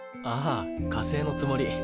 ああ火星のつもり。